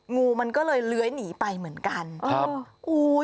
งูก็ล้ยผ่าก็เลยหนีไปเหมือนกันครับ